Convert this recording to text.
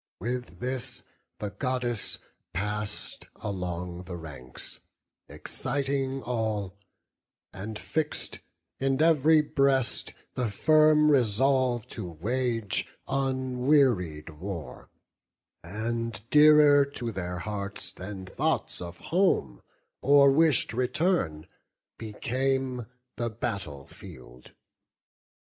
With this the Goddess pass'd along the ranks, Exciting all; and fix'd in every breast The firm resolve to wage unwearied war; And dearer to their hearts than thoughts of home Or wish'd return, became the battle field.